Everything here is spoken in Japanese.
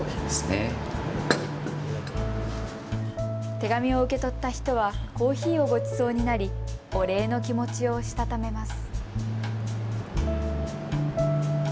手紙を受け取った人はコーヒーをごちそうになりお礼の気持ちをしたためます。